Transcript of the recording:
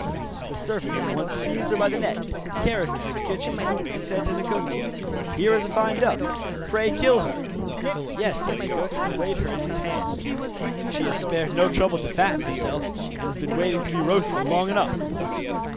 The servant at once seized her by the neck, carried her to the kitchen, and said to the cook: 'Here is a fine duck; pray, kill her.' 'Yes,' said the cook, and weighed her in his hand; 'she has spared no trouble to fatten herself, and has been waiting to be roasted long enough.